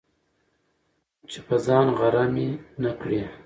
چي په ځان غره مي نه کړې،